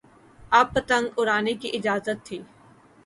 اب پتنگ اڑانے کی اجازت تھی۔